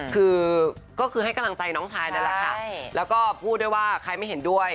คือก็คือให้กำลังใจน้องชายนั่นแหละค่ะแล้วก็พูดด้วยว่าใครไม่เห็นด้วย